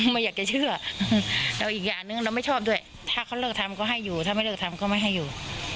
ไม่อยากจะเชื่อแล้วอีกอย่างนึงเราไม่ชอบด้วยถ้าเขาเลิกทำก็ให้อยู่ถ้าไม่เลิกทำก็ไม่ให้อยู่